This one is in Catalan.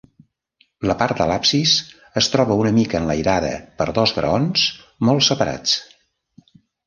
La part de l'absis es troba una mica enlairada per dos graons molt separats.